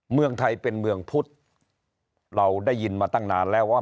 เมืองไทยเป็นเมืองพุทธเราได้ยินมาตั้งนานแล้วว่า